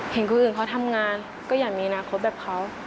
คนอื่นเขาทำงานก็อยากมีอนาคตแบบเขา